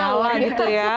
gawar gitu ya